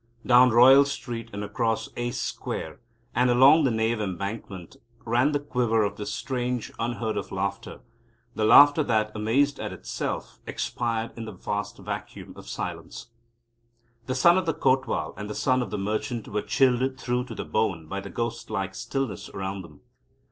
Down Royal Street and across Ace Square and along the Knave Embankment ran the quiver of this strange, unheard of laughter, the laughter that, amazed at itself, expired in the vast vacuum of silence. The Son of the Kotwal and the Son of the Merchant were chilled through to the bone by the ghost like stillness around them.